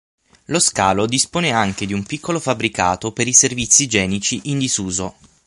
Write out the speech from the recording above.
Lo scalo dispone anche di un piccolo fabbricato per i servizi igienici in disuso.